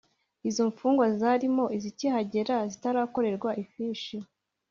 Izo mfungwa zarimo izikihagera zitarakorerwa ifishi